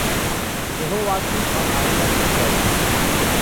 "Jehovahkill", on Island Records.